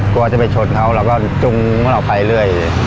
กลัวจะไปชนเขาเราก็จุงออกไปเรื่อย